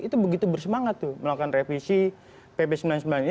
itu begitu bersemangat tuh melakukan revisi pp sembilan puluh sembilan ini